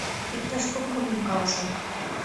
Иктаж кок мутым каласем: